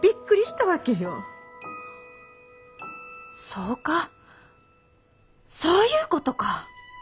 そうかそういうことか。